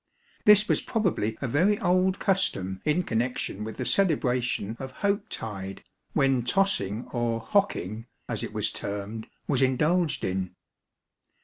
This was probably a very old custom in connection with the celebration of " Hoke tyde," when tossing or " hocking," as it was termed, was indulged in.